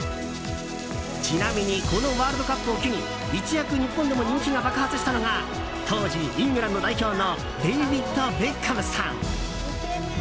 ちなみにこのワールドカップを機に一躍、日本でも人気が爆発したのが当時イングランド代表のデービッド・ベッカムさん。